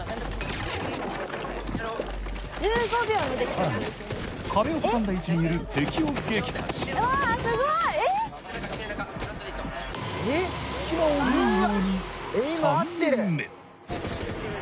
更に壁を挟んだ位置にいる敵を撃破し隙間を縫うように３人目。